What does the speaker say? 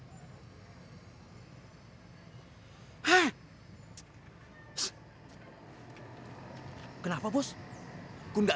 mas gun aku mau ke rumah